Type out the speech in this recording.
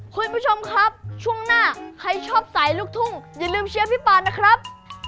คุณผู้ชมครับช่วงหน้าใครชอบสายลูกทุ่งอย่าลืมเชียร์พี่ปานนะครับ